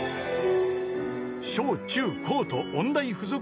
［小中高と音大附属